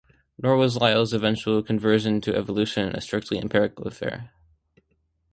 Nor was Lyell's eventual conversion to evolution a strictly empirical affair.